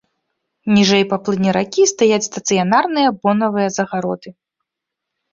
Ніжэй па плыні ракі стаяць стацыянарныя бонавыя загароды.